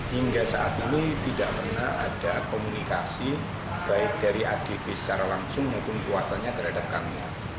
hingga saat ini tidak pernah ada komunikasi baik dari adp secara langsung maupun kuasanya terhadap kami